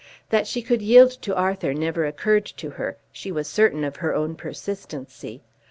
That she could yield to Arthur never occurred to her. She was certain of her own persistency.